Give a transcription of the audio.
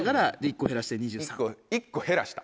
１個減らした。